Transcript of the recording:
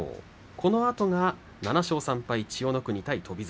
このあとが７勝３敗千代の国と翔猿。